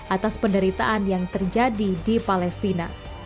atas penderitaan yang terjadi di palestina